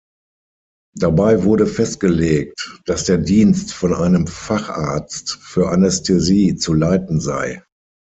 Dabei wurde festgelegt, dass der Dienst von einem Facharzt für Anästhesie zu leiten sei.